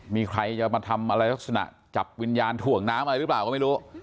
มีใครจะมาทำอะไรลักษณะจับวิญญาณถ่วงน้ำอะไรหรือเปล่าก็ไม่รู้